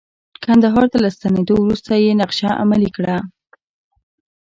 کندهار ته له ستنیدو وروسته یې نقشه عملي کړه.